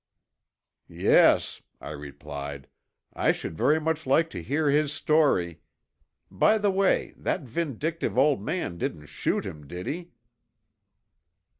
"Yes," I replied. "I should very much like to hear his story. By the way, that vindictive old man didn't shoot him, did he?"